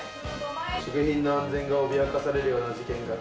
食品の安全が脅かされるような事件が。